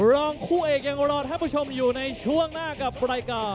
รองคู่เอกยังรอท่านผู้ชมอยู่ในช่วงหน้ากับรายการ